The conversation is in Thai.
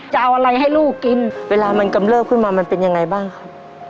จะเอาอะไรให้ลูกกินเวลามันกำเริบขึ้นมามันเป็นยังไงบ้างครับ